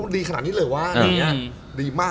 ดีขนาดนี้เลยวะ